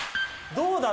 どうだ？